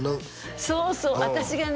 そうそう私がね